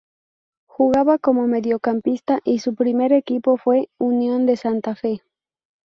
Jugaba como mediocampista y su primer equipo fue Unión de Santa Fe.